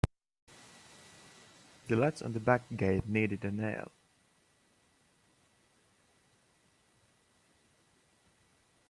The latch on the back gate needed a nail.